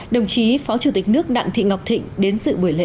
đồng chí phó chủ tịch nước đặng thị ngọc thịnh đến sự buổi lễ